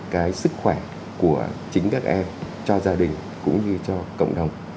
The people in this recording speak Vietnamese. cái sức khỏe của chính các em cho gia đình cũng như cho cộng đồng